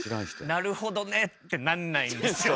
なるほどねってなんないんですよ